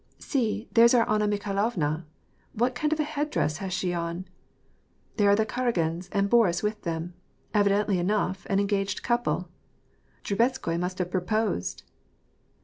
"See, there's our Anna Mikhailovna. What kind of a head dress has she on ?"" There are the Karagins, and Boris with them. Evidently enough, an engaged couple. — Drubetskoi must have proposed."